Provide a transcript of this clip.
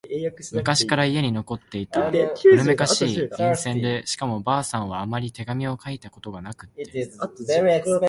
昔から家に残っていた古めかしい、便箋でしかも婆さんはあまり手紙を書いたことがなくって……